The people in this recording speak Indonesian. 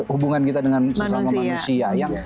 hubungan kita dengan sesama manusia